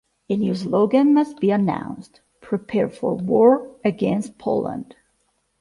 A new slogan must be announced: Prepare for war against Poland.